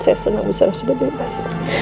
saya senang bu sara sudah bebas